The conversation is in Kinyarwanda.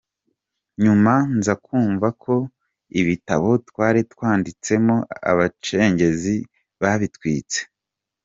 Nyuma nza kumva ko ibitabo twari twanditsemo Abacengezi babitwitse.